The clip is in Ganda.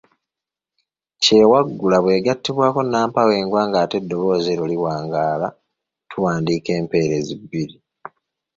Kyewaggula bw’egattibwako nnampawengwa ng'ate eddoboozi eryo liwangaala, tuwandiika empeerezi bbiri.